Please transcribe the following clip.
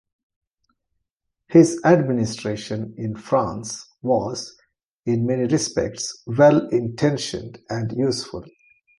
His administration in France was, in many respects, well-intentioned and useful.